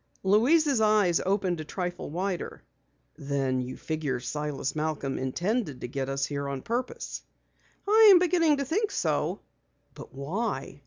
Louise's eyes opened a trifle wider. "Then you figure Silas Malcom intended to get us here on purpose!" "I'm beginning to think so." "But why?"